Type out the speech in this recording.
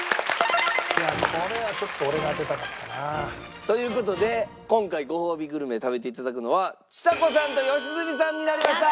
いやこれはちょっと俺が当てたかったな。という事で今回ごほうびグルメを食べて頂くのはちさ子さんと良純さんになりました！